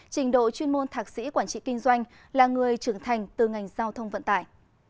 trình độ chuyên môn thạc sĩ quản trị kinh doanh là người trưởng thành từ ngành giao thông vận tải